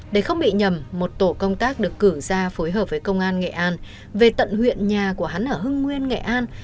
để không bị nhầm một tổ công tác được cử ra phối hợp với công an nghệ an về tận huyện nhà của hắn ở hưng nguyên nghệ an